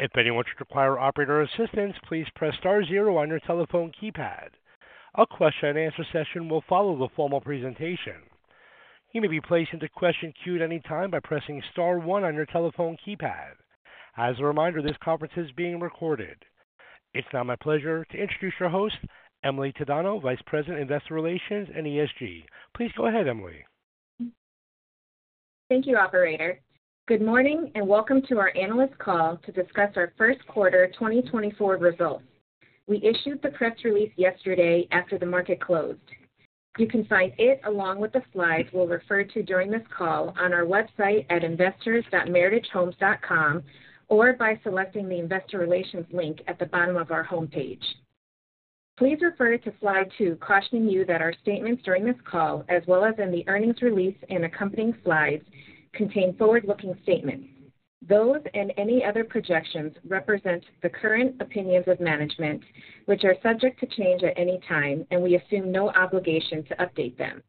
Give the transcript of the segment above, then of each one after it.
If anyone should require operator assistance, please press star zero on your telephone keypad. A question-and-answer session will follow the formal presentation. You may be placed into question queue at any time by pressing star one on your telephone keypad. As a reminder, this conference is being recorded. It's now my pleasure to introduce your host, Emily Tadano, Vice President, Investor Relations and ESG. Please go ahead, Emily. Thank you, operator. Good morning and welcome to our analyst call to discuss our first quarter 2024 results. We issued the press release yesterday after the market closed. You can find it along with the slides we'll refer to during this call on our website at investors.meritagehomes.com or by selecting the Investor Relations link at the bottom of our homepage. Please refer to slide two cautioning you that our statements during this call, as well as in the earnings release and accompanying slides, contain forward-looking statements. Those and any other projections represent the current opinions of management, which are subject to change at any time, and we assume no obligation to update them.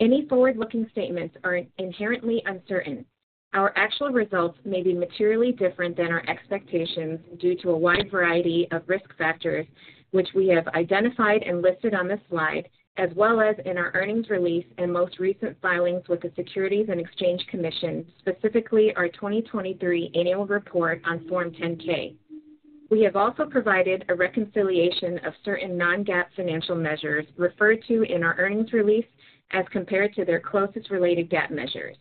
Any forward-looking statements are inherently uncertain. Our actual results may be materially different than our expectations due to a wide variety of risk factors, which we have identified and listed on this slide, as well as in our earnings release and most recent filings with the Securities and Exchange Commission, specifically our 2023 annual report on Form 10-K. We have also provided a reconciliation of certain non-GAAP financial measures referred to in our earnings release as compared to their closest related GAAP measures.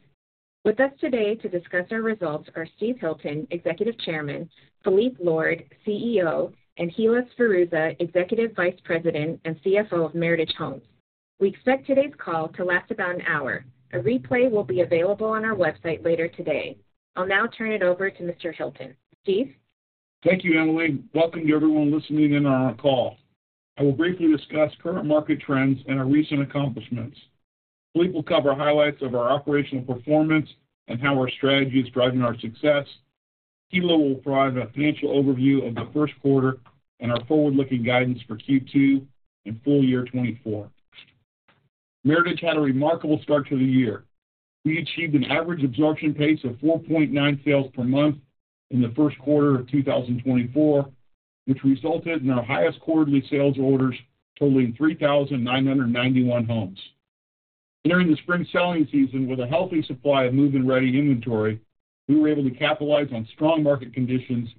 With us today to discuss our results are Steve Hilton, Executive Chairman, Phillippe Lord, CEO, and Hilla Sferruzza, Executive Vice President and CFO of Meritage Homes. We expect today's call to last about an hour. A replay will be available on our website later today. I'll now turn it over to Mr. Hilton. Steve? Thank you, Emily. Welcome to everyone listening in on our call. I will briefly discuss current market trends and our recent accomplishments. Phillippe will cover highlights of our operational performance and how our strategy is driving our success. Hilla will provide a financial overview of the first quarter and our forward-looking guidance for Q2 and full year 2024. Meritage had a remarkable start to the year. We achieved an average absorption pace of 4.9 sales per month in the first quarter of 2024, which resulted in our highest quarterly sales orders totaling 3,991 homes. Entering the spring selling season with a healthy supply of move-in-ready inventory, we were able to capitalize on strong market conditions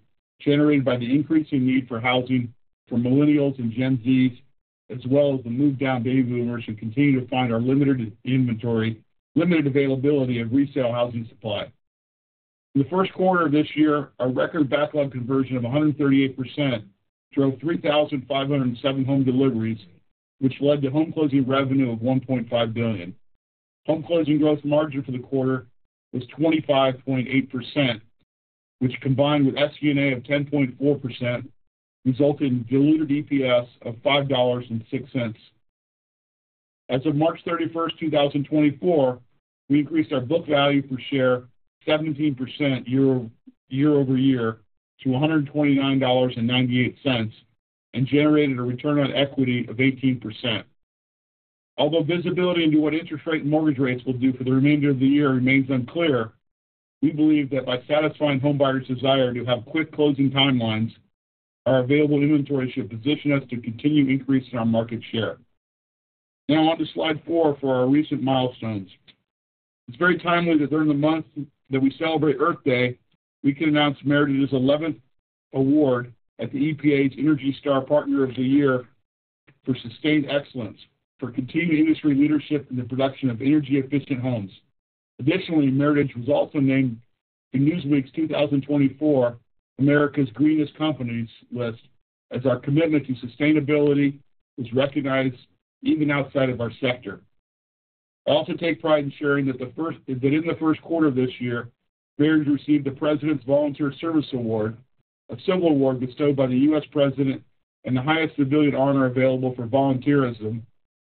generated by the increasing need for housing for millennials and Gen Zs, as well as the move-down baby boomers who continue to find our limited availability of resale housing supply. In the first quarter of this year, our record backlog conversion of 138% drove 3,507 home deliveries, which led to home closing revenue of $1.5 billion. Home closing gross margin for the quarter was 25.8%, which combined with SG&A of 10.4% resulted in diluted EPS of $5.06. As of March 31st, 2024, we increased our book value per share 17% year-over-year to $129.98 and generated a return on equity of 18%. Although visibility into what interest rate and mortgage rates will do for the remainder of the year remains unclear, we believe that by satisfying homebuyers' desire to have quick closing timelines, our available inventory should position us to continue increasing our market share. Now on to slide four for our recent milestones. It's very timely that during the month that we celebrate Earth Day, we can announce Meritage's 11th award at the EPA's ENERGY STAR Partner of the Year for Sustained Excellence for continued industry leadership in the production of energy-efficient homes. Additionally, Meritage was also named in Newsweek's 2024 America's Greenest Companies list as our commitment to sustainability is recognized even outside of our sector. I also take pride in sharing that in the first quarter of this year, Meritage received the President's Volunteer Service Award, a civil award bestowed by the U.S. President and the highest civilian honor available for volunteerism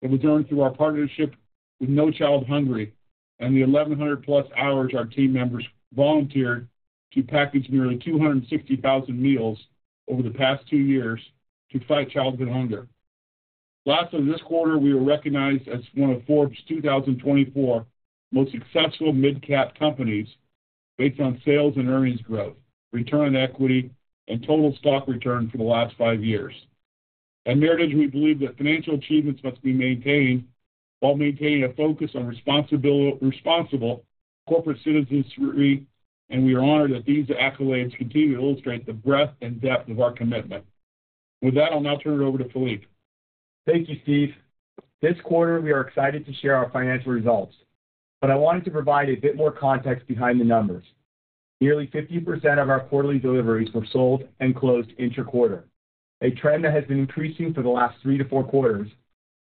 that was earned through our partnership with No Kid Hungry and the 1,100-plus hours our team members volunteered to package nearly 260,000 meals over the past two years to fight childhood hunger. Lastly, this quarter, we were recognized as one of Forbes' 2024 most successful mid-cap companies based on sales and earnings growth, return on equity, and total stock return for the last five years. At Meritage, we believe that financial achievements must be maintained while maintaining a focus on responsible corporate citizenship, and we are honored that these accolades continue to illustrate the breadth and depth of our commitment. With that, I'll now turn it over to Phillippe. Thank you, Steve. This quarter, we are excited to share our financial results, but I wanted to provide a bit more context behind the numbers. Nearly 50% of our quarterly deliveries were sold and closed inter-quarter, a trend that has been increasing for the last 3-4 quarters,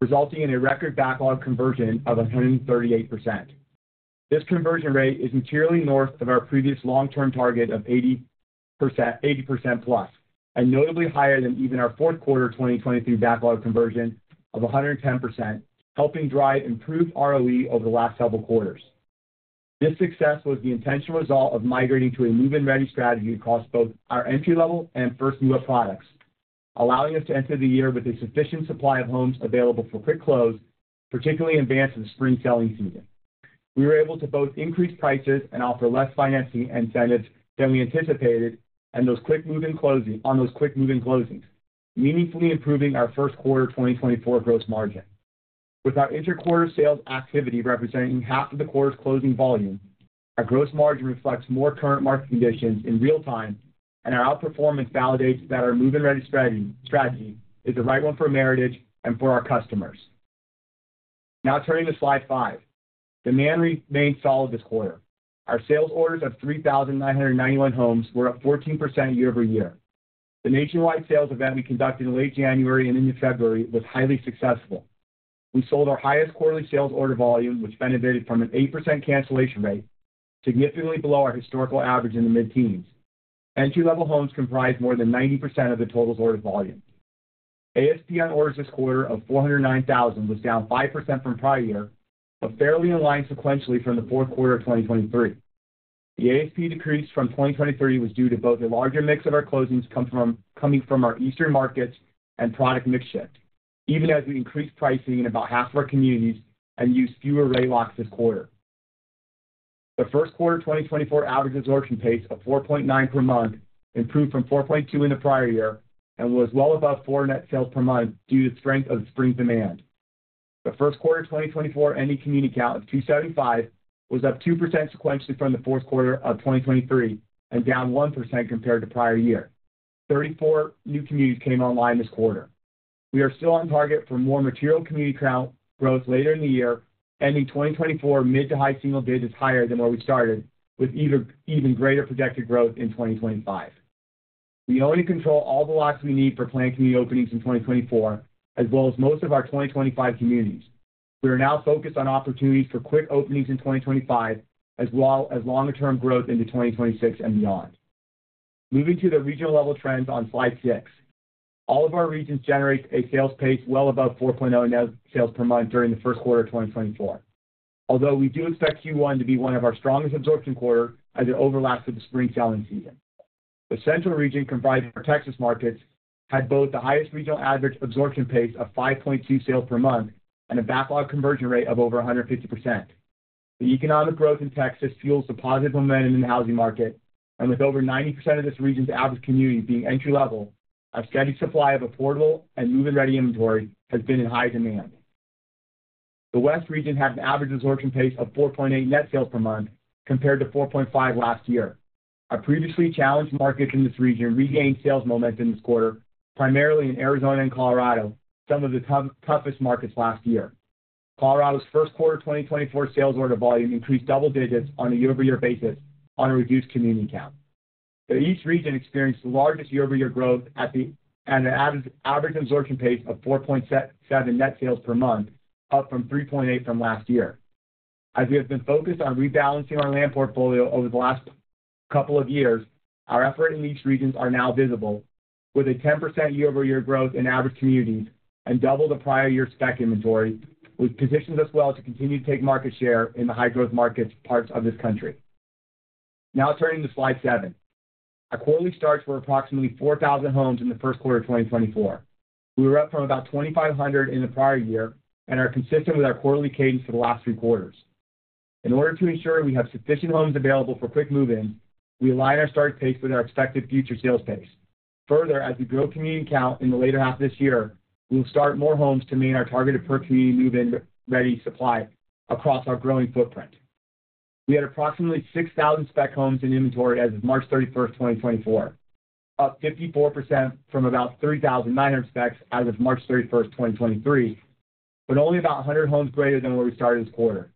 resulting in a record backlog conversion of 138%. This conversion rate is materially north of our previous long-term target of 80%+, and notably higher than even our fourth quarter 2023 backlog conversion of 110%, helping drive improved ROE over the last several quarters. This success was the intentional result of migrating to a Move-In-Ready strategy across both our entry-level and first move-up products, allowing us to enter the year with a sufficient supply of homes available for quick close, particularly in advance of the spring selling season. We were able to both increase prices and offer less financing incentives than we anticipated on those quick move-in closings, meaningfully improving our first quarter 2024 gross margin. With our inter-quarter sales activity representing half of the quarter's closing volume, our gross margin reflects more current market conditions in real time, and our outperformance validates that our move-in-ready strategy is the right one for Meritage and for our customers. Now turning to slide five. Demand remained solid this quarter. Our sales orders of 3,991 homes were up 14% year-over-year. The nationwide sales event we conducted in late January and into February was highly successful. We sold our highest quarterly sales order volume, which benefited from an 8% cancellation rate, significantly below our historical average in the mid-teens. Entry-level homes comprised more than 90% of the total order volume. ASP on orders this quarter of $409,000 was down 5% from prior year, but fairly in line sequentially from the fourth quarter of 2023. The ASP decrease from 2023 was due to both a larger mix of our closings coming from our Eastern markets and product mix shift, even as we increased pricing in about half of our communities and used fewer rate locks this quarter. The first quarter 2024 average absorption pace of 4.9 per month improved from 4.2 in the prior year and was well above 4 net sales per month due to the strength of the spring demand. The first quarter 2024 ending community count of 275 was up 2% sequentially from the fourth quarter of 2023 and down 1% compared to prior year. 34 new communities came online this quarter. We are still on target for more material community count growth later in the year, ending 2024 mid- to high-single digits higher than where we started, with even greater projected growth in 2025. We already control all the lots we need for planned community openings in 2024, as well as most of our 2025 communities. We are now focused on opportunities for quick openings in 2025 as well as longer-term growth into 2026 and beyond. Moving to the regional-level trends on slide six. All of our regions generate a sales pace well above 4.0 net sales per month during the first quarter of 2024, although we do expect Q1 to be one of our strongest absorption quarters as it overlaps with the spring selling season. The Central Region, comprising our Texas markets, had both the highest regional average absorption pace of 5.2 sales per month and a backlog conversion rate of over 150%. The economic growth in Texas fuels the positive momentum in the housing market, and with over 90% of this region's average community being entry-level, our steady supply of affordable and move-in-ready inventory has been in high demand. The West Region had an average absorption pace of 4.8 net sales per month compared to 4.5 last year. Our previously challenged markets in this region regained sales momentum this quarter, primarily in Arizona and Colorado, some of the toughest markets last year. Colorado's first quarter 2024 sales order volume increased double digits on a year-over-year basis on a reduced community count. The East Region experienced the largest year-over-year growth at an average absorption pace of 4.7 net sales per month, up from 3.8 from last year. As we have been focused on rebalancing our land portfolio over the last couple of years, our effort in these regions is now visible, with a 10% year-over-year growth in average communities and double the prior year spec inventory, which positions us well to continue to take market share in the high-growth markets parts of this country. Now turning to Slide 7. Our quarterly starts for approximately 4,000 homes in the first quarter of 2024. We were up from about 2,500 in the prior year and are consistent with our quarterly cadence for the last three quarters. In order to ensure we have sufficient homes available for quick move-ins, we align our start pace with our expected future sales pace. Further, as we grow community count in the later half of this year, we will start more homes to meet our targeted per-community move-in-ready supply across our growing footprint. We had approximately 6,000 spec homes in inventory as of March 31st, 2024, up 54% from about 3,900 specs as of March 31st, 2023, but only about 100 homes greater than where we started this quarter.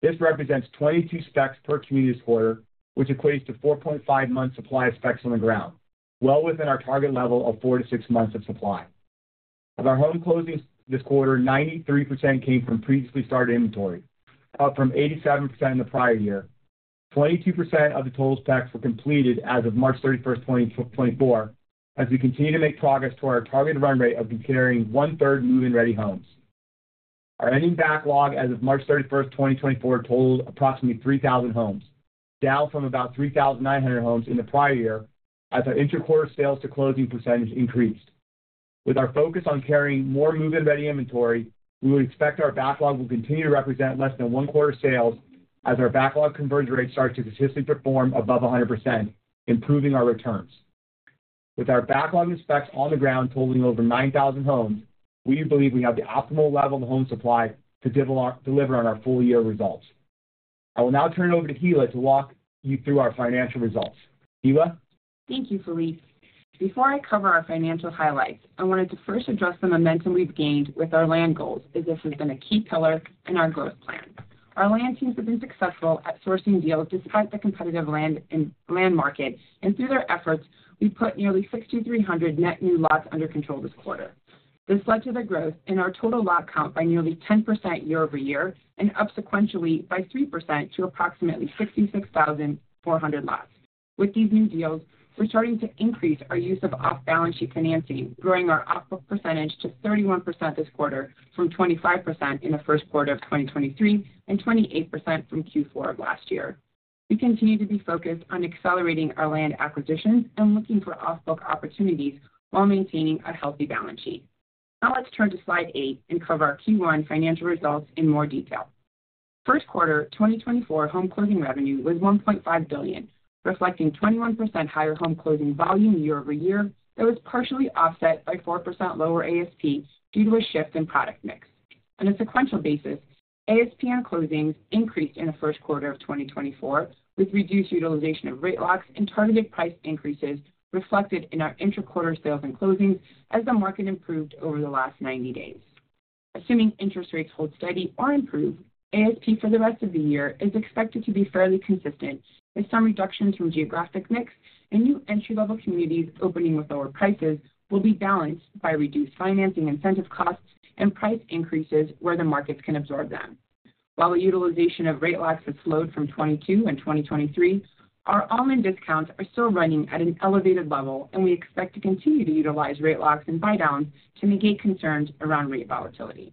This represents 22 specs per community this quarter, which equates to 4.5 months' supply of specs on the ground, well within our target level of four to six months of supply. Of our home closings this quarter, 93% came from previously started inventory, up from 87% in the prior year. 22% of the total specs were completed as of March 31st, 2024, as we continue to make progress toward our targeted run rate of carrying one-third move-in-ready homes. Our ending backlog as of March 31st, 2024, totaled approximately 3,000 homes, down from about 3,900 homes in the prior year as our inter-quarter sales to closing percentage increased. With our focus on carrying more move-in-ready inventory, we would expect our backlog will continue to represent less than one quarter sales as our backlog conversion rate starts to consistently perform above 100%, improving our returns. With our backlog and specs on the ground totaling over 9,000 homes, we believe we have the optimal level of home supply to deliver on our full year results. I will now turn it over to Hilla to walk you through our financial results. Hilla? Thank you, Phillippe. Before I cover our financial highlights, I wanted to first address the momentum we've gained with our land goals, as this has been a key pillar in our growth plan. Our land teams have been successful at sourcing deals despite the competitive land market, and through their efforts, we put nearly 6,300 net new lots under control this quarter. This led to the growth in our total lot count by nearly 10% year-over-year and up sequentially by 3% to approximately 66,400 lots. With these new deals, we're starting to increase our use of off-balance sheet financing, growing our off-book percentage to 31% this quarter from 25% in the first quarter of 2023 and 28% from Q4 of last year. We continue to be focused on accelerating our land acquisitions and looking for off-book opportunities while maintaining a healthy balance sheet. Now let's turn to slide 8 and cover our Q1 financial results in more detail. First quarter 2024 home closing revenue was $1.5 billion, reflecting 21% higher home closing volume year-over-year that was partially offset by 4% lower ASP due to a shift in product mix. On a sequential basis, ASP on closings increased in the first quarter of 2024, with reduced utilization of rate locks and targeted price increases reflected in our inter-quarter sales and closings as the market improved over the last 90 days. Assuming interest rates hold steady or improve, ASP for the rest of the year is expected to be fairly consistent, with some reductions from geographic mix and new entry-level communities opening with lower prices will be balanced by reduced financing incentive costs and price increases where the markets can absorb them. While the utilization of rate locks has slowed from 2022 and 2023, our online discounts are still running at an elevated level, and we expect to continue to utilize rate locks and buy-downs to mitigate concerns around rate volatility.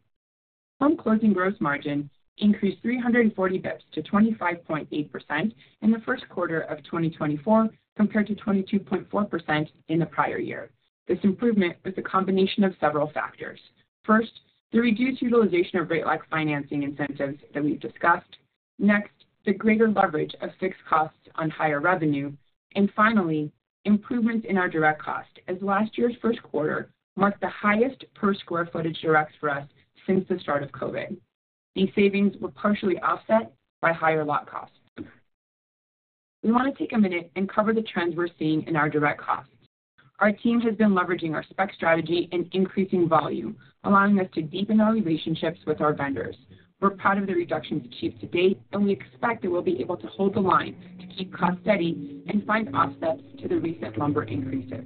Home closing gross margin increased 340 basis points to 25.8% in the first quarter of 2024 compared to 22.4% in the prior year. This improvement was a combination of several factors. First, the reduced utilization of rate lock financing incentives that we've discussed. Next, the greater leverage of fixed costs on higher revenue. And finally, improvements in our direct costs, as last year's first quarter marked the highest per square footage direct costs for us since the start of COVID. These savings were partially offset by higher lot costs. We want to take a minute and cover the trends we're seeing in our direct costs. Our team has been leveraging our spec strategy and increasing volume, allowing us to deepen our relationships with our vendors. We're proud of the reductions achieved to date, and we expect that we'll be able to hold the line to keep costs steady and find offsets to the recent lumber increases.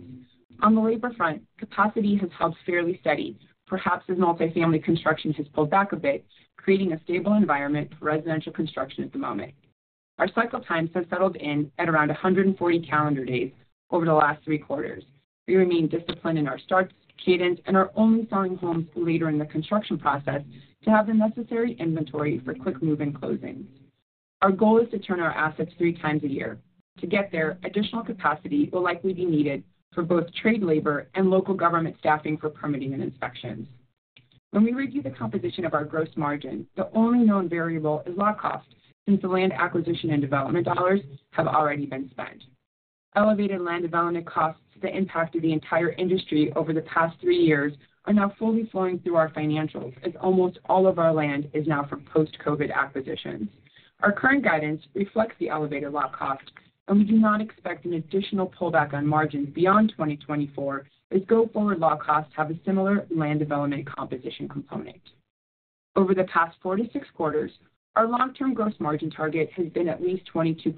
On the labor front, capacity has held fairly steady, perhaps as multifamily construction has pulled back a bit, creating a stable environment for residential construction at the moment. Our cycle time has settled in at around 140 calendar days over the last three quarters. We remain disciplined in our starts, cadence, and are only selling homes later in the construction process to have the necessary inventory for quick move-in closings. Our goal is to turn our assets three times a year. To get there, additional capacity will likely be needed for both trade labor and local government staffing for permitting and inspections. When we review the composition of our gross margin, the only known variable is lot cost since the land acquisition and development dollars have already been spent. Elevated land development costs that impacted the entire industry over the past 3 years are now fully flowing through our financials, as almost all of our land is now from post-COVID acquisitions. Our current guidance reflects the elevated lot cost, and we do not expect an additional pullback on margins beyond 2024 as go-forward lot costs have a similar land development composition component. Over the past 4-6 quarters, our long-term gross margin target has been at least 22%.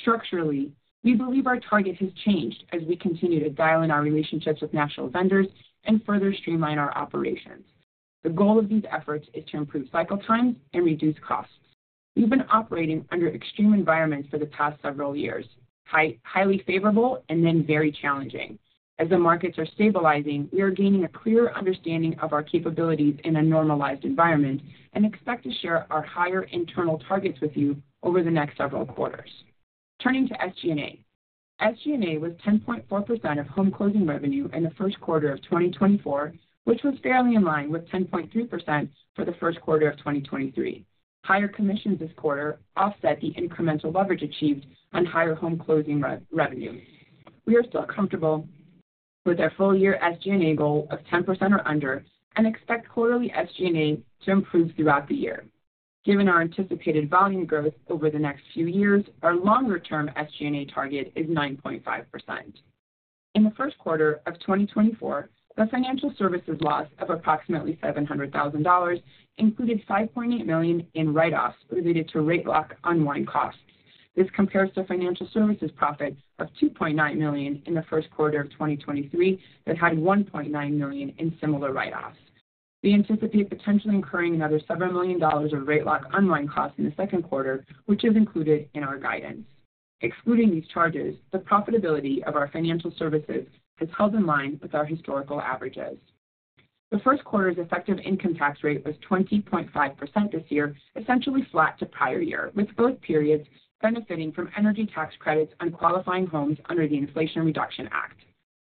Structurally, we believe our target has changed as we continue to dial in our relationships with national vendors and further streamline our operations. The goal of these efforts is to improve cycle times and reduce costs. We've been operating under extreme environments for the past several years, highly favorable and then very challenging. As the markets are stabilizing, we are gaining a clearer understanding of our capabilities in a normalized environment and expect to share our higher internal targets with you over the next several quarters. Turning to SG&A. SG&A was 10.4% of home closing revenue in the first quarter of 2024, which was fairly in line with 10.3% for the first quarter of 2023. Higher commissions this quarter offset the incremental leverage achieved on higher home closing revenue. We are still comfortable with our full year SG&A goal of 10% or under and expect quarterly SG&A to improve throughout the year. Given our anticipated volume growth over the next few years, our longer-term SG&A target is 9.5%. In the first quarter of 2024, the financial services loss of approximately $700,000 included $5.8 million in write-offs related to rate lock unwind costs. This compares to financial services profit of $2.9 million in the first quarter of 2023 that had $1.9 million in similar write-offs. We anticipate potentially incurring another several million dollars of rate lock unwind costs in the second quarter, which is included in our guidance. Excluding these charges, the profitability of our financial services has held in line with our historical averages. The first quarter's effective income tax rate was 20.5% this year, essentially flat to prior year, with both periods benefiting from energy tax credits on qualifying homes under the Inflation Reduction Act.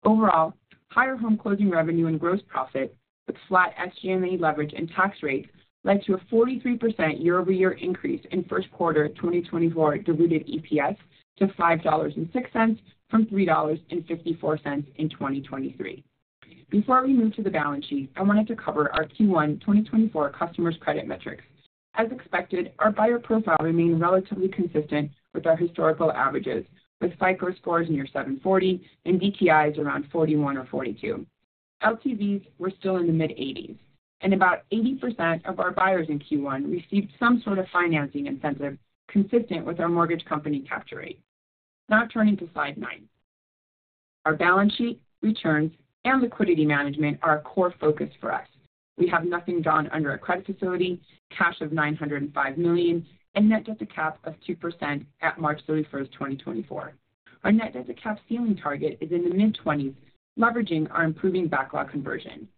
Overall, higher home closing revenue and gross profit, with flat SG&A leverage and tax rates, led to a 43% year-over-year increase in first quarter 2024 diluted EPS to $5.06 from $3.54 in 2023. Before we move to the balance sheet, I wanted to cover our Q1 2024 customers' credit metrics. As expected, our buyer profile remained relatively consistent with our historical averages, with FICO scores near 740 and DTIs around 41 or 42. LTVs were still in the mid-80s, and about 80% of our buyers in Q1 received some sort of financing incentive consistent with our mortgage company capture rate. Now turning to slide nine. Our balance sheet, returns, and liquidity management are a core focus for us. We have nothing drawn under a credit facility, cash of $905 million, and net debt to cap of 2% at March 31st, 2024. Our net debt to cap ceiling target is in the mid-20s, leveraging our improving backlog conversion.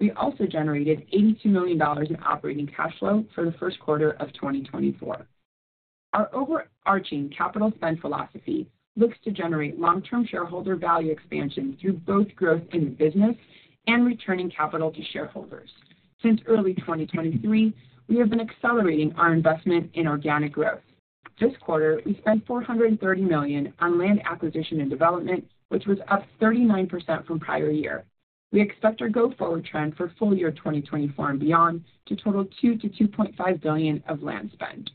We also generated $82 million in operating cash flow for the first quarter of 2024. Our overarching capital spend philosophy looks to generate long-term shareholder value expansion through both growth in the business and returning capital to shareholders. Since early 2023, we have been accelerating our investment in organic growth. This quarter, we spent $430 million on land acquisition and development, which was up 39% from prior year. We expect our go-forward trend for full year 2024 and beyond to total $2 billion-$2.5 billion of land spend.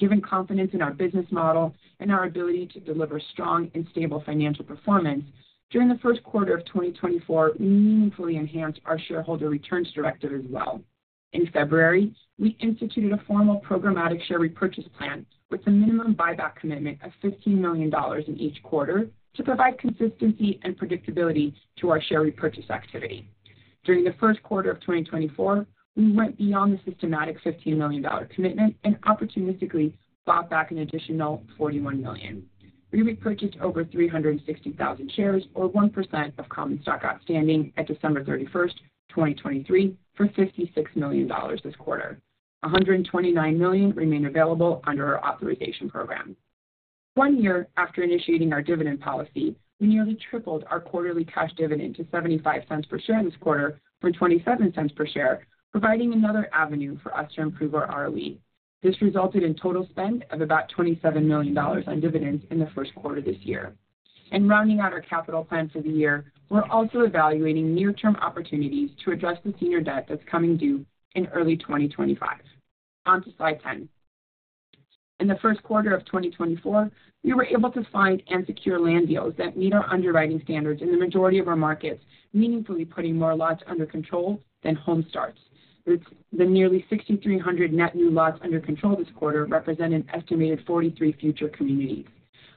Given confidence in our business model and our ability to deliver strong and stable financial performance, during the first quarter of 2024, we meaningfully enhanced our shareholder returns directive as well. In February, we instituted a formal programmatic share repurchase plan with a minimum buyback commitment of $15 million in each quarter to provide consistency and predictability to our share repurchase activity. During the first quarter of 2024, we went beyond the systematic $15 million commitment and opportunistically bought back an additional $41 million. We repurchased over 360,000 shares, or 1% of common stock outstanding at December 31st, 2023, for $56 million this quarter. $129 million remained available under our authorization program. One year after initiating our dividend policy, we nearly tripled our quarterly cash dividend to $0.75 per share this quarter from $0.27 per share, providing another avenue for us to improve our ROE. This resulted in total spend of about $27 million on dividends in the first quarter this year. Rounding out our capital plan for the year, we're also evaluating near-term opportunities to address the senior debt that's coming due in early 2025. Onto slide 10. In the first quarter of 2024, we were able to find and secure land deals that meet our underwriting standards in the majority of our markets, meaningfully putting more lots under control than home starts. The nearly 6,300 net new lots under control this quarter represent an estimated 43 future communities.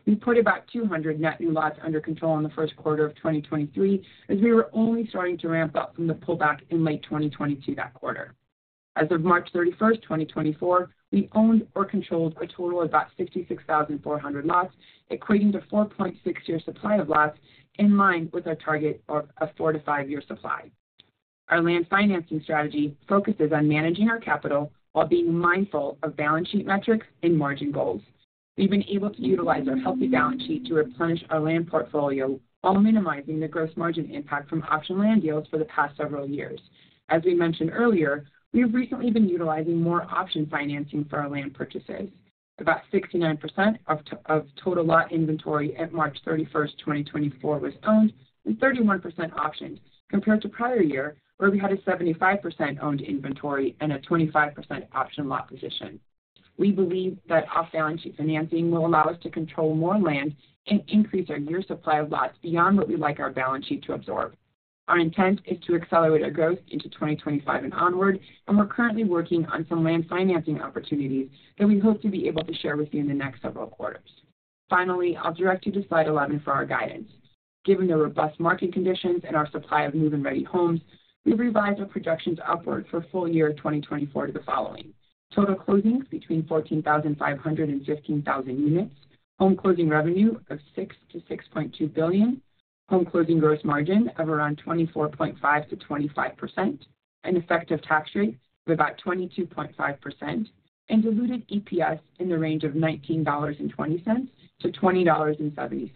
We put about 200 net new lots under control in the first quarter of 2023 as we were only starting to ramp up from the pullback in late 2022 that quarter. As of March 31st, 2024, we owned or controlled a total of about 66,400 lots, equating to 4.6-year supply of lots in line with our target of a 4-5-year supply. Our land financing strategy focuses on managing our capital while being mindful of balance sheet metrics and margin goals. We've been able to utilize our healthy balance sheet to replenish our land portfolio while minimizing the gross margin impact from option land deals for the past several years. As we mentioned earlier, we've recently been utilizing more option financing for our land purchases. About 69% of total lot inventory at March 31st, 2024, was owned and 31% optioned, compared to prior year where we had a 75% owned inventory and a 25% option lot position. We believe that off-balance sheet financing will allow us to control more land and increase our year supply of lots beyond what we like our balance sheet to absorb. Our intent is to accelerate our growth into 2025 and onward, and we're currently working on some land financing opportunities that we hope to be able to share with you in the next several quarters. Finally, I'll direct you to slide 11 for our guidance. Given the robust market conditions and our supply of move-in ready homes, we've revised our projections upward for full year 2024 to the following: total closings between 14,500 and 15,000 units, home closing revenue of $6 billion-$6.2 billion, home closing gross margin of around 24.5%-25%, an effective tax rate of about 22.5%, and diluted EPS in the range of $19.20-$20.70.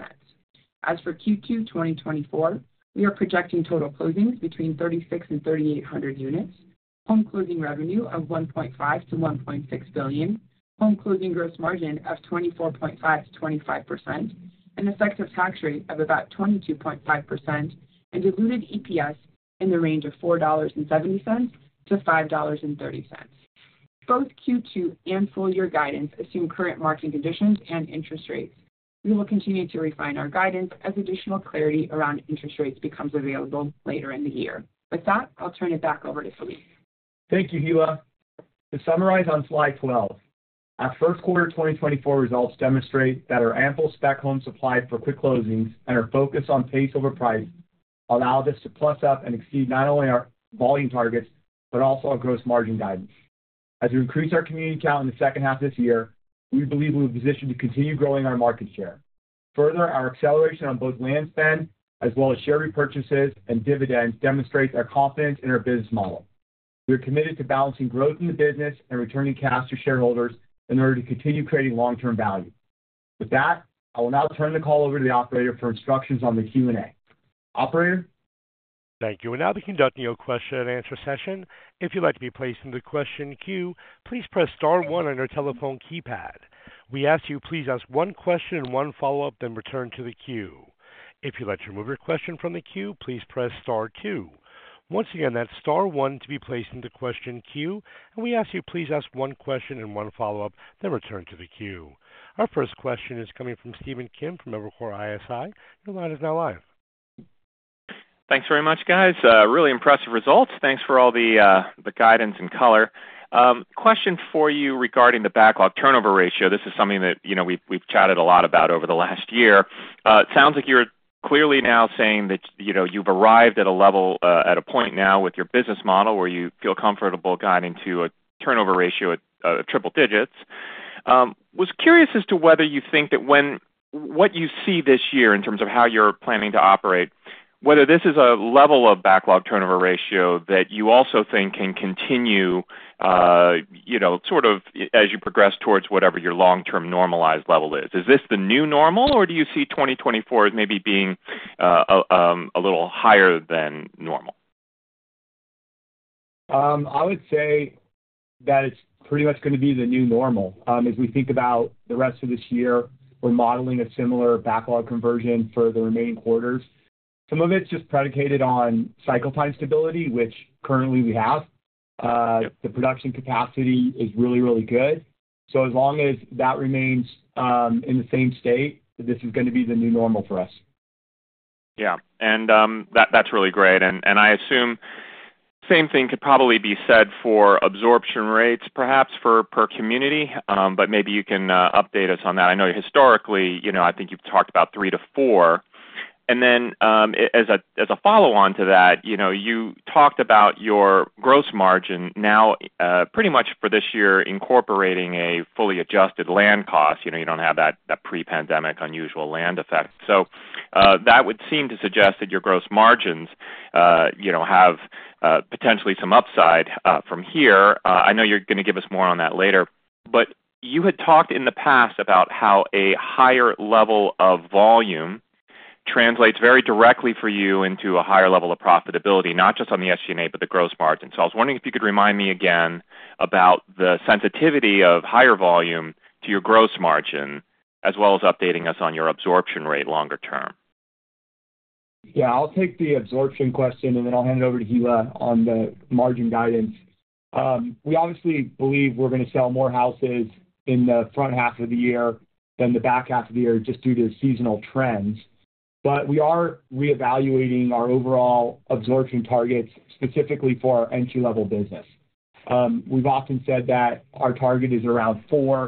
As for Q2 2024, we are projecting total closings between 3,600 and 3,800 units, home closing revenue of $1.5 billion-$1.6 billion, home closing gross margin of 24.5%-25%, an effective tax rate of about 22.5%, and diluted EPS in the range of $4.70-$5.30. Both Q2 and full year guidance assume current market conditions and interest rates. We will continue to refine our guidance as additional clarity around interest rates becomes available later in the year. With that, I'll turn it back over to Phillippe. Thank you, Hilla. To summarize on slide 12, our first quarter 2024 results demonstrate that our ample spec home supply for quick closings and our focus on pace over price allowed us to plus up and exceed not only our volume targets but also our gross margin guidance. As we increase our community count in the second half of this year, we believe we're positioned to continue growing our market share. Further, our acceleration on both land spend as well as share repurchases and dividends demonstrates our confidence in our business model. We are committed to balancing growth in the business and returning cash to shareholders in order to continue creating long-term value. With that, I will now turn the call over to the operator for instructions on the Q&A. Operator? Thank you. We're now conducting a question and answer session. If you'd like to be placed in the question queue, please press star one on your telephone keypad. We ask you, please ask one question and one follow-up, then return to the queue. If you'd like to remove your question from the queue, please press star two. Once again, that's star one to be placed in the question queue, and we ask you, please ask one question and one follow-up, then return to the queue. Our first question is coming from Stephen Kim from Evercore ISI. Your line is now live. Thanks very much, guys. Really impressive results. Thanks for all the guidance and color. Question for you regarding the backlog turnover ratio. This is something that we've chatted a lot about over the last year. It sounds like you're clearly now saying that you've arrived at a point now with your business model where you feel comfortable guiding to a turnover ratio of triple digits. I was curious as to whether you think that what you see this year in terms of how you're planning to operate, whether this is a level of backlog turnover ratio that you also think can continue sort of as you progress towards whatever your long-term normalized level is. Is this the new normal, or do you see 2024 as maybe being a little higher than normal? I would say that it's pretty much going to be the new normal. As we think about the rest of this year, we're modeling a similar backlog conversion for the remaining quarters. Some of it's just predicated on cycle time stability, which currently we have. The production capacity is really, really good. So as long as that remains in the same state, this is going to be the new normal for us. Yeah. And that's really great. And I assume the same thing could probably be said for absorption rates, perhaps per community, but maybe you can update us on that. I know historically, I think you've talked about 3-4. And then as a follow-on to that, you talked about your gross margin now pretty much for this year incorporating a fully adjusted land cost. You don't have that pre-pandemic unusual land effect. So that would seem to suggest that your gross margins have potentially some upside from here. I know you're going to give us more on that later. But you had talked in the past about how a higher level of volume translates very directly for you into a higher level of profitability, not just on the SG&A but the gross margin. I was wondering if you could remind me again about the sensitivity of higher volume to your gross margin as well as updating us on your absorption rate longer term. Yeah. I'll take the absorption question, and then I'll hand it over to Hilla on the margin guidance. We obviously believe we're going to sell more houses in the front half of the year than the back half of the year just due to seasonal trends. But we are reevaluating our overall absorption targets specifically for our entry-level business. We've often said that our target is around 4-5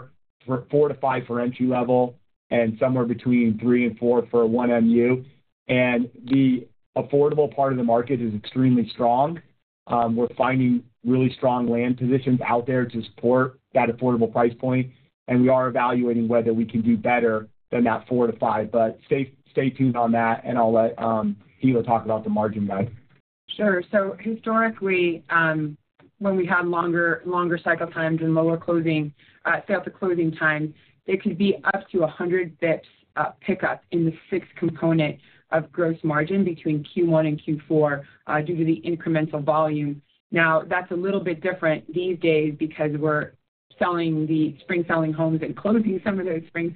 for entry-level and somewhere between 3 and 4 for 1MU. And the affordable part of the market is extremely strong. We're finding really strong land positions out there to support that affordable price point, and we are evaluating whether we can do better than that 4-5. But stay tuned on that, and I'll let Hilla talk about the margin guidance. Sure. So historically, when we had longer cycle times and lower sales to closing times, it could be up to 100 basis points pickup in the SG&A component of gross margin between Q1 and Q4 due to the incremental volume. Now, that's a little bit different these days because we're spec-selling homes and closing some of those spec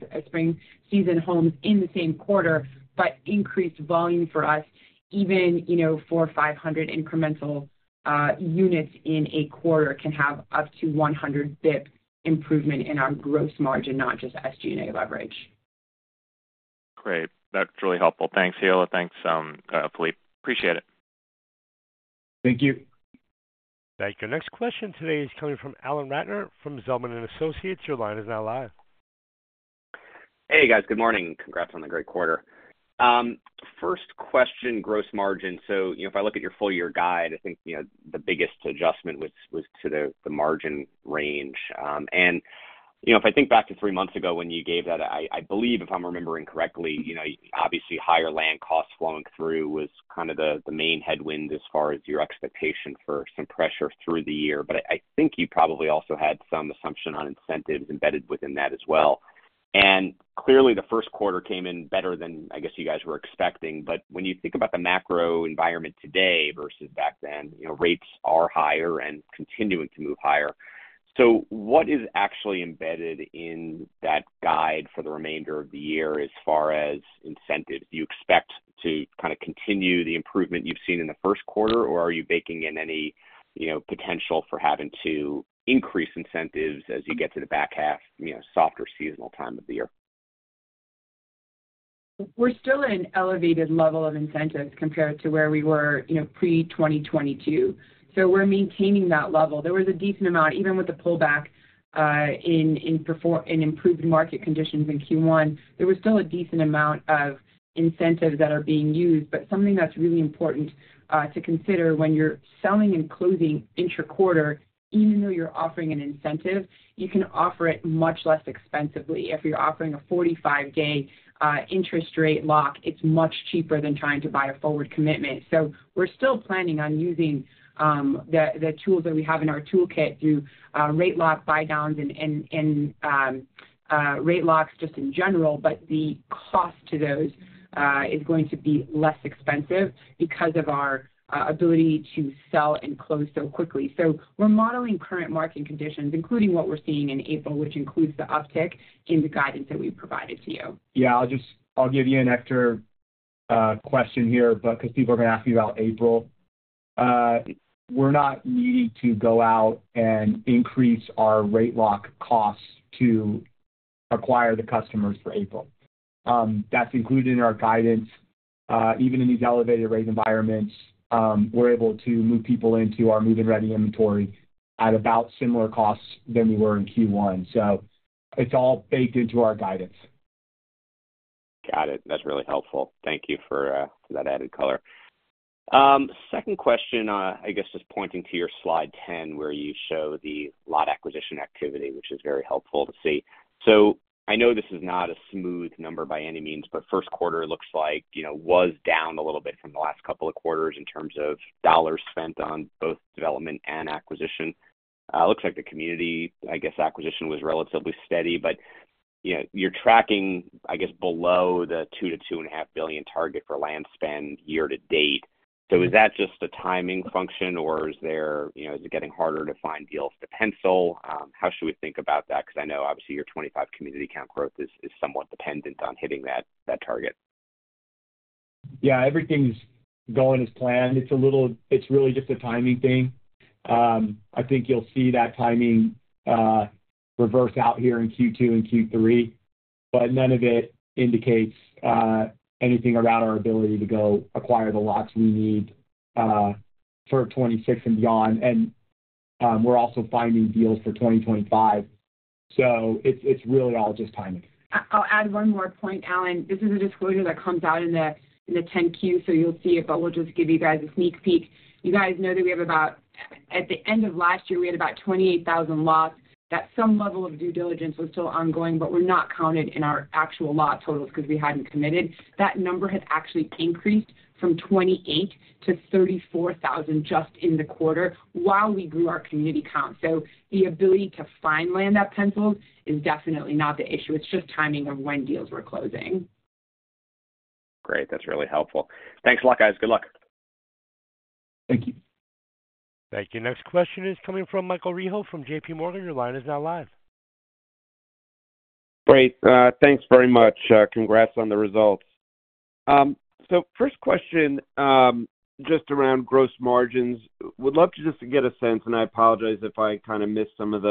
homes in the same quarter. But increased volume for us, even 4,500 incremental units in a quarter, can have up to 100 basis points improvement in our gross margin, not just SG&A leverage. Great. That's really helpful. Thanks, Hilla. Thanks, Phillippe. Appreciate it. Thank you. Thank you. Next question today is coming from Alan Ratner from Zelman & Associates. Your line is now live. Hey, guys. Good morning. Congrats on the great quarter. First question, gross margin. So if I look at your full year guide, I think the biggest adjustment was to the margin range. And if I think back to three months ago when you gave that, I believe, if I'm remembering correctly, obviously higher land costs flowing through was kind of the main headwind as far as your expectation for some pressure through the year. But I think you probably also had some assumption on incentives embedded within that as well. And clearly, the first quarter came in better than, I guess, you guys were expecting. But when you think about the macro environment today versus back then, rates are higher and continuing to move higher. So what is actually embedded in that guide for the remainder of the year as far as incentives? Do you expect to kind of continue the improvement you've seen in the first quarter, or are you baking in any potential for having to increase incentives as you get to the back half, softer seasonal time of the year? We're still in an elevated level of incentives compared to where we were pre-2022. So we're maintaining that level. There was a decent amount, even with the pullback in improved market conditions in Q1, there was still a decent amount of incentives that are being used. But something that's really important to consider when you're selling and closing intra-quarter, even though you're offering an incentive, you can offer it much less expensively. If you're offering a 45-day interest rate lock, it's much cheaper than trying to buy a forward commitment. So we're still planning on using the tools that we have in our toolkit through rate lock buy-downs and rate locks just in general. But the cost to those is going to be less expensive because of our ability to sell and close so quickly. We're modeling current market conditions, including what we're seeing in April, which includes the uptick in the guidance that we provided to you. Yeah. I'll give you an extra question here because people are going to ask me about April. We're not needing to go out and increase our rate lock costs to acquire the customers for April. That's included in our guidance. Even in these elevated rate environments, we're able to move people into our move-in ready inventory at about similar costs than we were in Q1. So it's all baked into our guidance. Got it. That's really helpful. Thank you for that added color. Second question, I guess just pointing to your slide 10 where you show the lot acquisition activity, which is very helpful to see. So I know this is not a smooth number by any means, but first quarter looks like it was down a little bit from the last couple of quarters in terms of dollars spent on both development and acquisition. It looks like the community, I guess, acquisition was relatively steady. But you're tracking, I guess, below the $2 billion-$2.5 billion target for land spend year to date. So is that just a timing function, or is it getting harder to find deals to pencil? How should we think about that? Because I know, obviously, your 25 community count growth is somewhat dependent on hitting that target. Yeah. Everything's going as planned. It's really just a timing thing. I think you'll see that timing reverse out here in Q2 and Q3, but none of it indicates anything around our ability to go acquire the lots we need for 2026 and beyond. And we're also finding deals for 2025. So it's really all just timing. I'll add one more point, Alan. This is a disclosure that comes out in the 10-Q, so you'll see it, but we'll just give you guys a sneak peek. You guys know that at the end of last year, we had about 28,000 lots that some level of due diligence was still ongoing, but were not counted in our actual lot totals because we hadn't committed. That number had actually increased from 28,000 to 34,000 just in the quarter while we grew our community count. So the ability to find land that pencils is definitely not the issue. It's just timing of when deals were closing. Great. That's really helpful. Thanks a lot, guys. Good luck. Thank you. Thank you. Next question is coming from Michael Rehaut from JPMorgan. Your line is now live. Great. Thanks very much. Congrats on the results. So first question just around gross margins. Would love to just get a sense, and I apologize if I kind of missed some of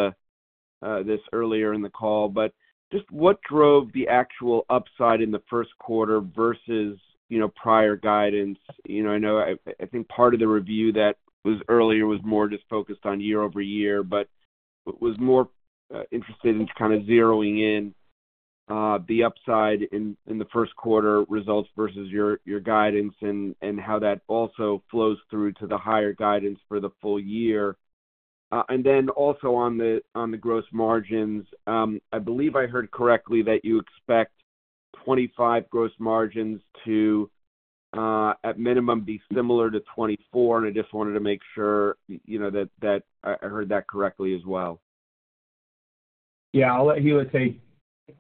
this earlier in the call, but just what drove the actual upside in the first quarter versus prior guidance? I think part of the review that was earlier was more just focused on year-over-year, but was more interested in kind of zeroing in the upside in the first quarter results versus your guidance and how that also flows through to the higher guidance for the full year. And then also on the gross margins, I believe I heard correctly that you expect 2025 gross margins to, at minimum, be similar to 2024. And I just wanted to make sure that I heard that correctly as well. Yeah. I'll let Hilla take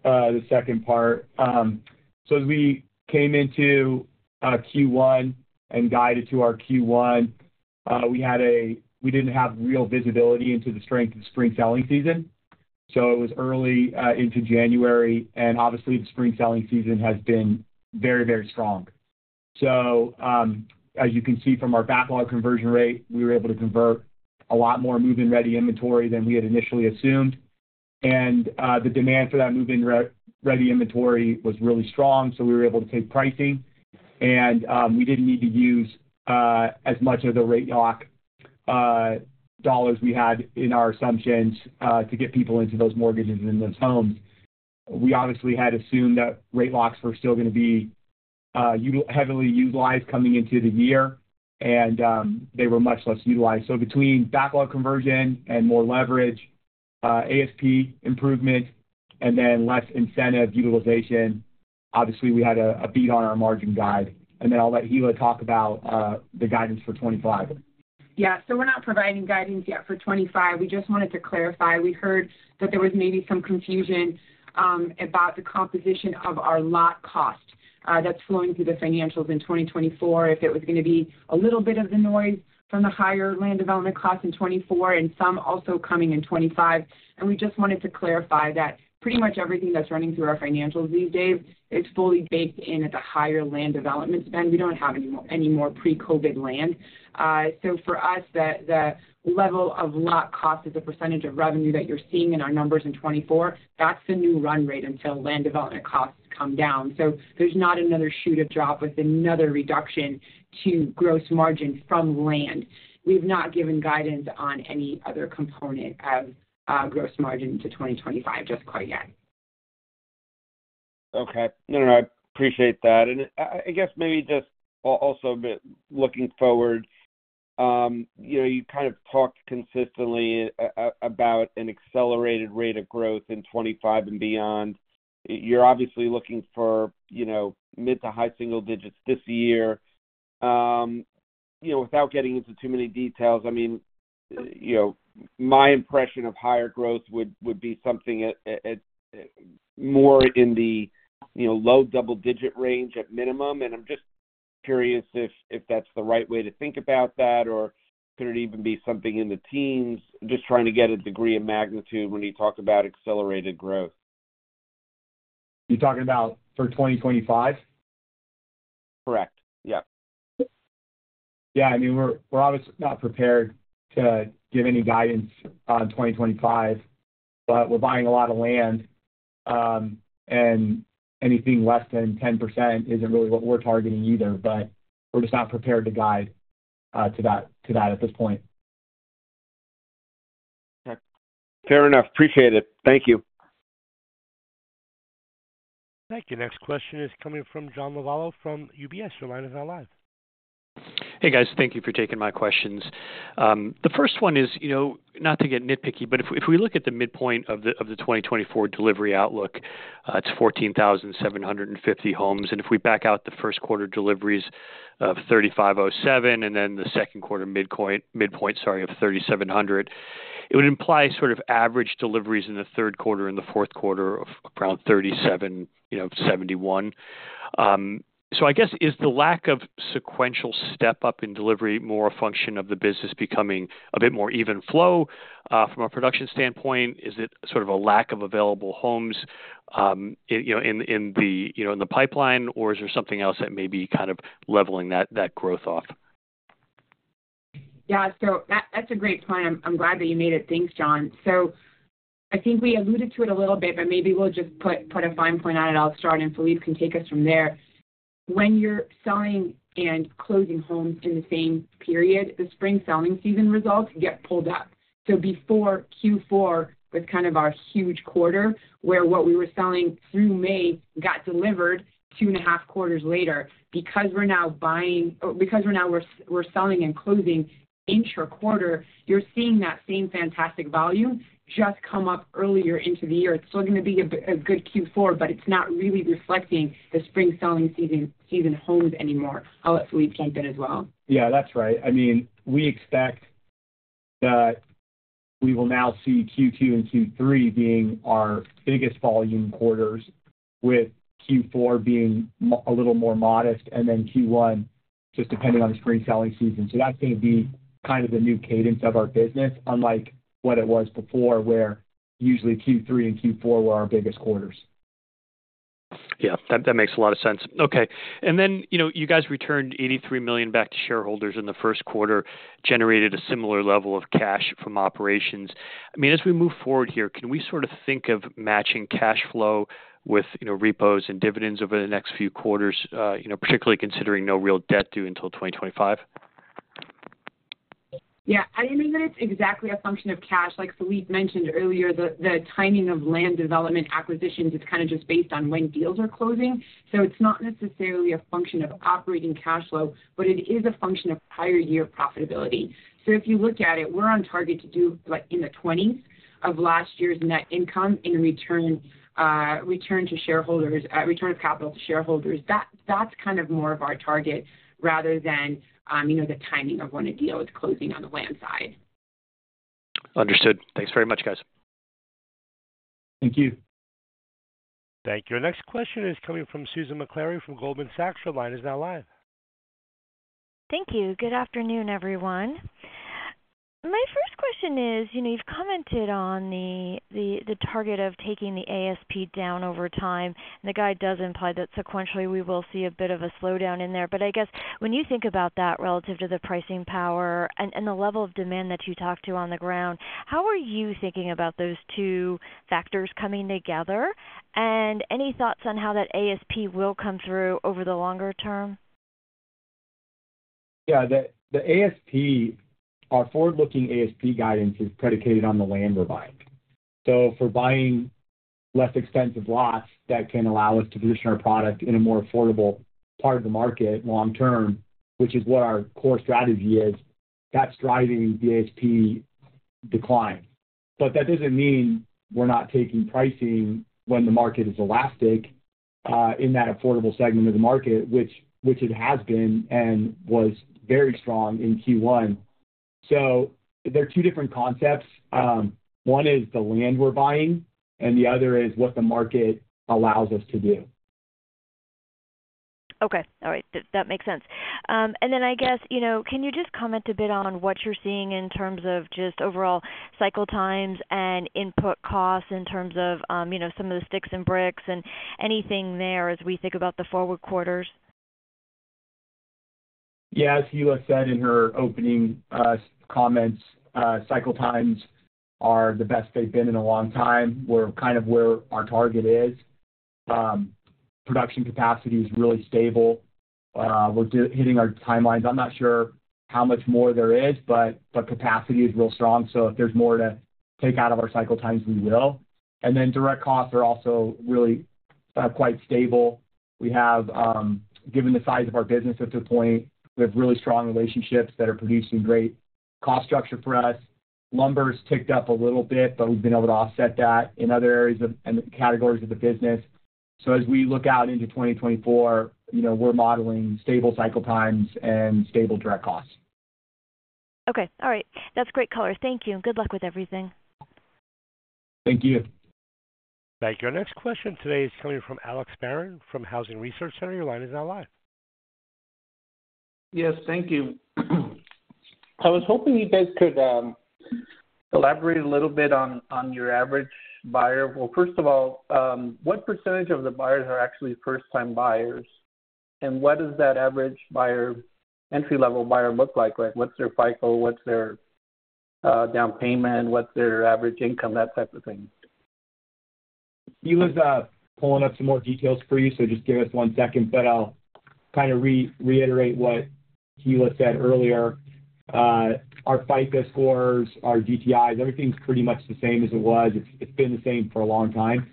the second part. As we came into Q1 and guided to our Q1, we didn't have real visibility into the strength of the spring selling season. It was early into January, and obviously, the spring selling season has been very, very strong. As you can see from our backlog conversion rate, we were able to convert a lot more move-in ready inventory than we had initially assumed. The demand for that move-in ready inventory was really strong, so we were able to take pricing. We didn't need to use as much of the rate lock dollars we had in our assumptions to get people into those mortgages and those homes. We obviously had assumed that rate locks were still going to be heavily utilized coming into the year, and they were much less utilized. Between backlog conversion and more leverage, ASP improvement, and then less incentive utilization, obviously, we had a beat on our margin guide. And then I'll let Hilla talk about the guidance for 2025. Yeah. So we're not providing guidance yet for 2025. We just wanted to clarify. We heard that there was maybe some confusion about the composition of our lot cost that's flowing through the financials in 2024, if it was going to be a little bit of the noise from the higher land development cost in 2024 and some also coming in 2025. And we just wanted to clarify that pretty much everything that's running through our financials these days is fully baked in at the higher land development spend. We don't have any more pre-COVID land. So for us, the level of lot cost as a percentage of revenue that you're seeing in our numbers in 2024, that's the new run rate until land development costs come down. So there's not another shoot of drop with another reduction to gross margin from land. We've not given guidance on any other component of gross margin to 2025 just quite yet. Okay. No, no, no. I appreciate that. And I guess maybe just also looking forward, you kind of talked consistently about an accelerated rate of growth in 2025 and beyond. You're obviously looking for mid to high single digits this year. Without getting into too many details, I mean, my impression of higher growth would be something more in the low double-digit range at minimum. And I'm just curious if that's the right way to think about that, or could it even be something in the teens? Just trying to get a degree of magnitude when you talk about accelerated growth. You're talking about for 2025? Correct. Yep. Yeah. I mean, we're obviously not prepared to give any guidance on 2025, but we're buying a lot of land. Anything less than 10% isn't really what we're targeting either, but we're just not prepared to guide to that at this point. Okay. Fair enough. Appreciate it. Thank you. Thank you. Next question is coming from John Lovallo from UBS. Your line is now live. Hey, guys. Thank you for taking my questions. The first one is not to get nitpicky, but if we look at the midpoint of the 2024 delivery outlook, it's 14,750 homes. And if we back out the first quarter deliveries of 3,507 and then the second quarter midpoint, sorry, of 3,700, it would imply sort of average deliveries in the third quarter and the fourth quarter around 3,771. So I guess, is the lack of sequential step-up in delivery more a function of the business becoming a bit more even flow from a production standpoint? Is it sort of a lack of available homes in the pipeline, or is there something else that may be kind of leveling that growth off? Yeah. So that's a great point. I'm glad that you made it. Thanks, John. So I think we alluded to it a little bit, but maybe we'll just put a fine point on it. I'll start, and Phillippe can take us from there. When you're selling and closing homes in the same period, the spring selling season results get pulled up. So before Q4 was kind of our huge quarter where what we were selling through May got delivered 2.5 quarters later, because we're now buying or because we're now selling and closing intra-quarter, you're seeing that same fantastic volume just come up earlier into the year. It's still going to be a good Q4, but it's not really reflecting the spring selling season homes anymore. I'll let Phillippe jump in as well. Yeah. That's right. I mean, we expect that we will now see Q2 and Q3 being our biggest volume quarters, with Q4 being a little more modest and then Q1 just depending on the spring selling season. So that's going to be kind of the new cadence of our business, unlike what it was before where usually Q3 and Q4 were our biggest quarters. Yeah. That makes a lot of sense. Okay. And then you guys returned $83 million back to shareholders in the first quarter, generated a similar level of cash from operations. I mean, as we move forward here, can we sort of think of matching cash flow with repos and dividends over the next few quarters, particularly considering no real debt due until 2025? Yeah. I don't think that it's exactly a function of cash. Like Phillippe mentioned earlier, the timing of land development acquisitions is kind of just based on when deals are closing. So it's not necessarily a function of operating cash flow, but it is a function of prior year profitability. So if you look at it, we're on target to do in the 20s of last year's net income and return to shareholders, return of capital to shareholders. That's kind of more of our target rather than the timing of when a deal is closing on the land side. Understood. Thanks very much, guys. Thank you. Thank you. Next question is coming from Susan Maklari from Goldman Sachs. Your line is now live. Thank you. Good afternoon, everyone. My first question is, you've commented on the target of taking the ASP down over time. And the guide does imply that sequentially, we will see a bit of a slowdown in there. But I guess when you think about that relative to the pricing power and the level of demand that you talk to on the ground, how are you thinking about those two factors coming together? And any thoughts on how that ASP will come through over the longer term? Yeah. Our forward-looking ASP guidance is predicated on the land we're buying. So for buying less expensive lots that can allow us to position our product in a more affordable part of the market long term, which is what our core strategy is, that's driving the ASP decline. But that doesn't mean we're not taking pricing when the market is elastic in that affordable segment of the market, which it has been and was very strong in Q1. So they're two different concepts. One is the land we're buying, and the other is what the market allows us to do. Okay. All right. That makes sense. And then I guess, can you just comment a bit on what you're seeing in terms of just overall cycle times and input costs in terms of some of the sticks and bricks and anything there as we think about the forward quarters? Yeah. As Hilla said in her opening comments, cycle times are the best they've been in a long time. We're kind of where our target is. Production capacity is really stable. We're hitting our timelines. I'm not sure how much more there is, but capacity is real strong. So if there's more to take out of our cycle times, we will. And then direct costs are also really quite stable. Given the size of our business at this point, we have really strong relationships that are producing great cost structure for us. Lumber's ticked up a little bit, but we've been able to offset that in other areas and categories of the business. So as we look out into 2024, we're modeling stable cycle times and stable direct costs. Okay. All right. That's great color. Thank you. Good luck with everything. Thank you. Thank you. Next question today is coming from Alex Barron from Housing Research Center. Your line is now live. Yes. Thank you. I was hoping you guys could elaborate a little bit on your average buyer. Well, first of all, what percentage of the buyers are actually first-time buyers? And what does that average entry-level buyer look like? What's their FICO? What's their down payment? What's their average income? That type of thing. Hilla's pulling up some more details for you, so just give us one second. I'll kind of reiterate what Hilla said earlier. Our FICO scores, our DTIs, everything's pretty much the same as it was. It's been the same for a long time.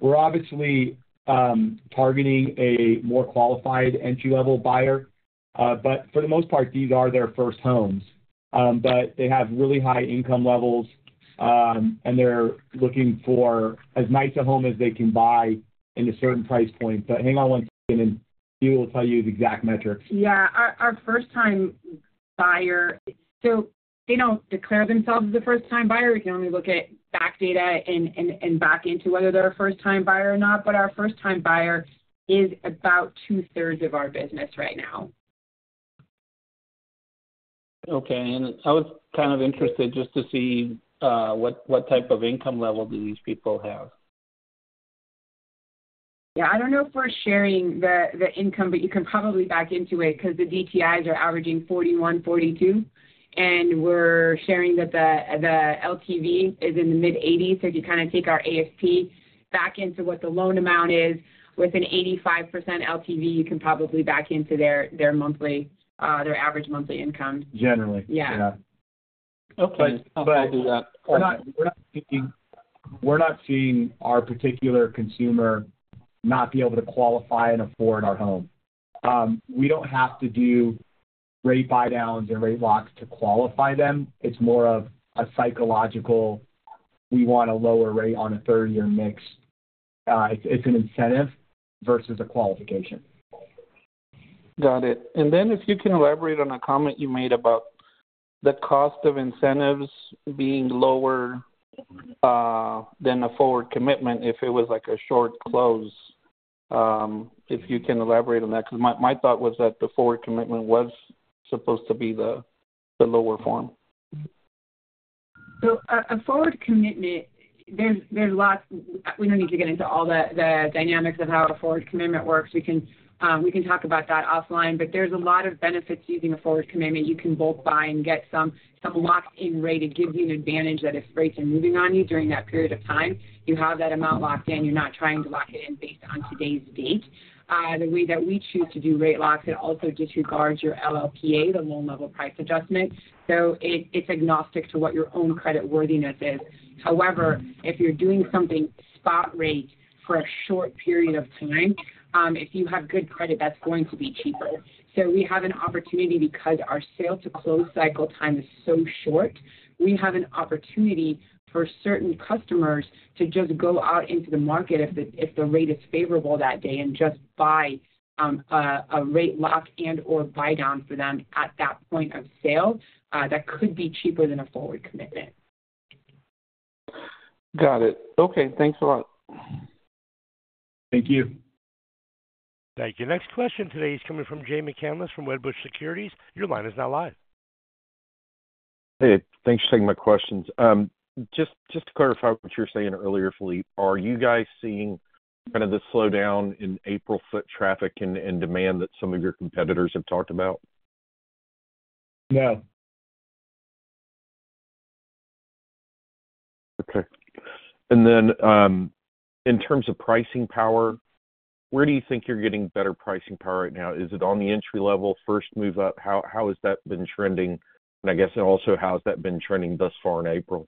We're obviously targeting a more qualified entry-level buyer. For the most part, these are their first homes. But they have really high income levels, and they're looking for as nice a home as they can buy in a certain price point. Hang on one second, and Hilla will tell you the exact metrics. Yeah. Our first-time buyer so they don't declare themselves as a first-time buyer. We can only look at back data and back into whether they're a first-time buyer or not. But our first-time buyer is about two-thirds of our business right now. Okay. I was kind of interested just to see what type of income level do these people have? Yeah. I don't know for sharing the income, but you can probably back into it because the DTIs are averaging 41, 42. And we're sharing that the LTV is in the mid-80s. So if you kind of take our ASP back into what the loan amount is, with an 85% LTV, you can probably back into their average monthly income. But we're not seeing our particular consumer not be able to qualify and afford our home. We don't have to do rate buy-downs and rate locks to qualify them. It's more of a psychological, "We want a lower rate on a third-year mix." It's an incentive versus a qualification. Got it. And then if you can elaborate on a comment you made about the cost of incentives being lower than a forward commitment if it was a short close, if you can elaborate on that. Because my thought was that the forward commitment was supposed to be the lower form. So, a forward commitment. There's lots we don't need to get into all the dynamics of how a forward commitment works. We can talk about that offline. But there's a lot of benefits using a forward commitment. You can bulk buy and get some locked-in rate. It gives you an advantage that if rates are moving on you during that period of time, you have that amount locked in. You're not trying to lock it in based on today's date. The way that we choose to do rate locks, it also disregards your LLPA, the loan-level price adjustment. So it's agnostic to what your own creditworthiness is. However, if you're doing something spot rate for a short period of time, if you have good credit, that's going to be cheaper. We have an opportunity because our sale-to-close cycle time is so short, we have an opportunity for certain customers to just go out into the market if the rate is favorable that day and just buy a rate lock and/or buy-down for them at that point of sale. That could be cheaper than a forward commitment. Got it. Okay. Thanks a lot. Thank you. Thank you. Next question today is coming from Jay McCanless from Wedbush Securities. Your line is now live. Hey. Thanks for taking my questions. Just to clarify what you were saying earlier, Phillippe, are you guys seeing kind of the slowdown in April foot traffic and demand that some of your competitors have talked about? No. Okay. And then in terms of pricing power, where do you think you're getting better pricing power right now? Is it on the entry level, first move up? How has that been trending? And I guess also, how has that been trending thus far in April?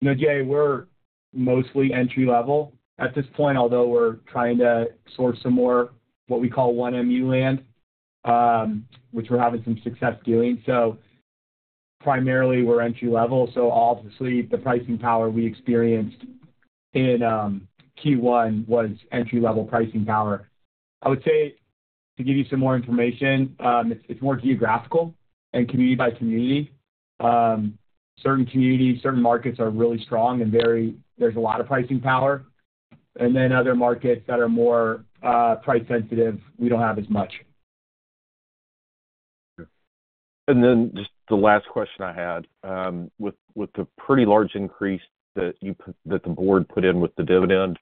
No, Jay, we're mostly entry-level at this point, although we're trying to source some more what we call 1MU land, which we're having some success doing. So primarily, we're entry-level. So obviously, the pricing power we experienced in Q1 was entry-level pricing power. I would say, to give you some more information, it's more geographical and community by community. Certain communities, certain markets are really strong, and there's a lot of pricing power. And then other markets that are more price-sensitive, we don't have as much. And then just the last question I had, with the pretty large increase that the board put in with the dividend,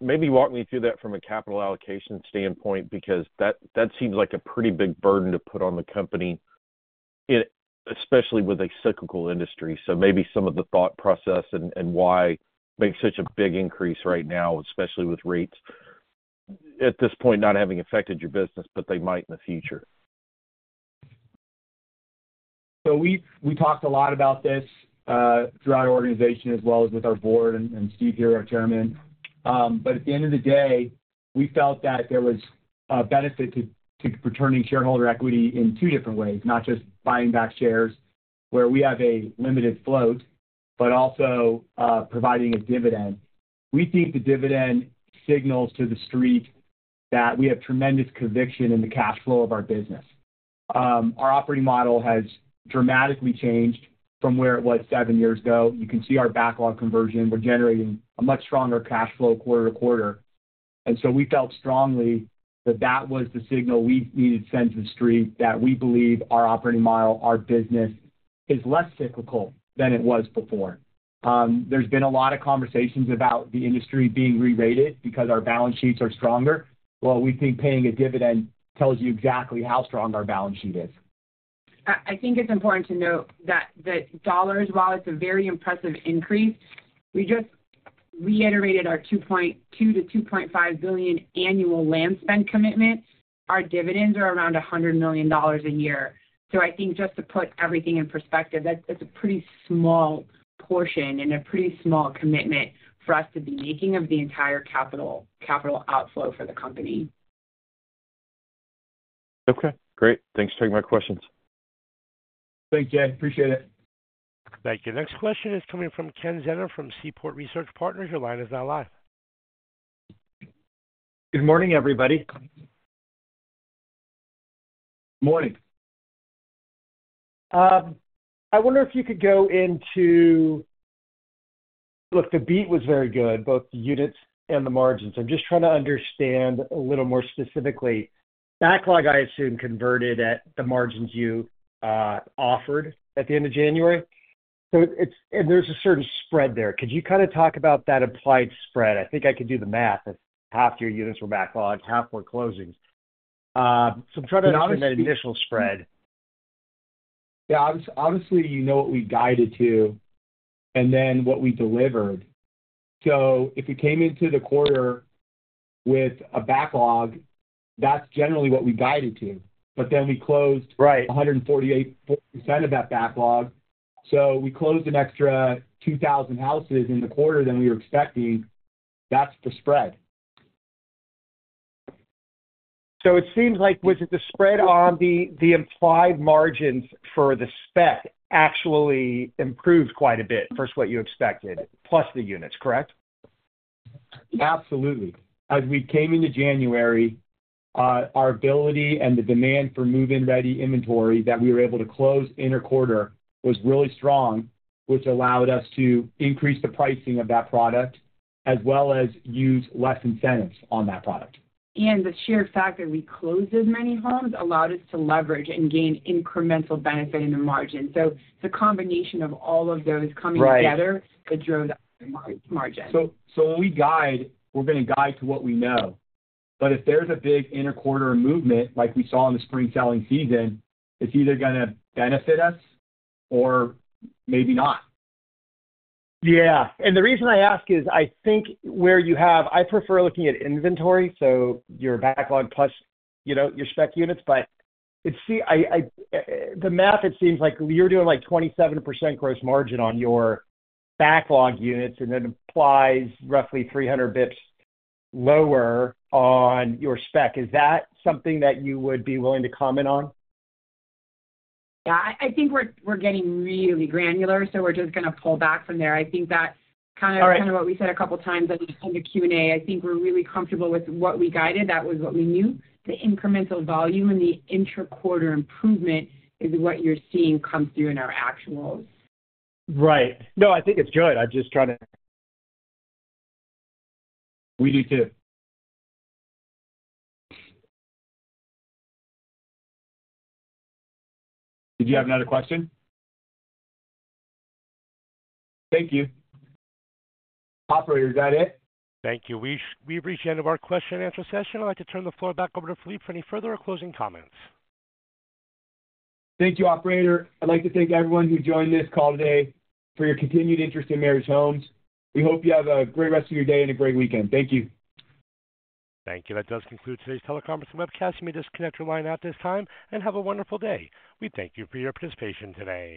maybe walk me through that from a capital allocation standpoint because that seems like a pretty big burden to put on the company, especially with a cyclical industry. So maybe some of the thought process and why make such a big increase right now, especially with rates, at this point not having affected your business, but they might in the future. So we talked a lot about this throughout our organization as well as with our board and Steve here, our Chairman. But at the end of the day, we felt that there was a benefit to returning shareholder equity in two different ways, not just buying back shares where we have a limited float, but also providing a dividend. We think the dividend signals to the street that we have tremendous conviction in the cash flow of our business. Our operating model has dramatically changed from where it was seven years ago. You can see our backlog conversion. We're generating a much stronger cash flow quarter to quarter. And so we felt strongly that that was the signal we needed to send to the street, that we believe our operating model, our business, is less cyclical than it was before. There's been a lot of conversations about the industry being rerated because our balance sheets are stronger. Well, we think paying a dividend tells you exactly how strong our balance sheet is. I think it's important to note that dollars, while it's a very impressive increase, we just reiterated our $2.2 billion-$2.5 billion annual land spend commitment. Our dividends are around $100 million a year. So I think just to put everything in perspective, that's a pretty small portion and a pretty small commitment for us to be making of the entire capital outflow for the company. Okay. Great. Thanks for taking my questions. Thanks, Jay. Appreciate it. Thank you. Next question is coming from Ken Zener from Seaport Research Partners. Your line is now live. Good morning, everybody. Morning. I wonder if you could go into look, the beat was very good, both the units and the margins. I'm just trying to understand a little more specifically. Backlog, I assume, converted at the margins you offered at the end of January. And there's a certain spread there. Could you kind of talk about that applied spread? I think I could do the math if half your units were backlogged, half were closings. So I'm trying to understand that initial spread. Yeah. Honestly, you know what we guided to and then what we delivered. So if we came into the quarter with a backlog, that's generally what we guided to. But then we closed 148% of that backlog. So we closed an extra 2,000 houses in the quarter than we were expecting. That's for spread. So it seems like, was it the spread on the implied margins for the spec actually improved quite a bit, versus what you expected, plus the units, correct? Absolutely. As we came into January, our ability and the demand for Move-In-Ready inventory that we were able to close inter-quarter was really strong, which allowed us to increase the pricing of that product as well as use less incentives on that product. The shared fact that we closed as many homes allowed us to leverage and gain incremental benefit in the margins. It's a combination of all of those coming together that drove the margins. So when we guide, we're going to guide to what we know. But if there's a big inter-quarter movement like we saw in the spring selling season, it's either going to benefit us or maybe not. Yeah. And the reason I ask is I think where you have I prefer looking at inventory, so your backlog plus your spec units. But the math, it seems like you're doing like 27% gross margin on your backlog units, and it applies roughly 300 basis points lower on your spec. Is that something that you would be willing to comment on? Yeah. I think we're getting really granular, so we're just going to pull back from there. I think that kind of what we said a couple of times in the Q&A, I think we're really comfortable with what we guided. That was what we knew. The incremental volume and the inter-quarter improvement is what you're seeing come through in our actuals. Right. No, I think it's good. I'm just trying to. We do too. Did you have another question? Thank you. Operator, is that it? Thank you. We've reached the end of our question-and-answer session. I'd like to turn the floor back over to Phillippe for any further or closing comments. Thank you, operator. I'd like to thank everyone who joined this call today for your continued interest in Meritage Homes. We hope you have a great rest of your day and a great weekend. Thank you. Thank you. That does conclude today's teleconference and webcast. You may disconnect your line at this time and have a wonderful day. We thank you for your participation today.